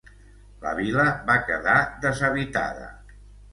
La vila va quedar deshabitada.